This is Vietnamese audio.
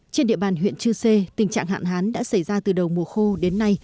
trên địa bàn huyện chư sê tình trạng hạn hán đã xảy ra từ đầu mùa khô đến nay